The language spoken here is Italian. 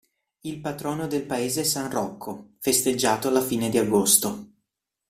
Il patrono del paese è San Rocco, festeggiato alla fine di agosto.